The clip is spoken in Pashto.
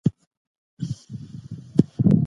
غیرت د انسان د شخصیت ښکلا ده.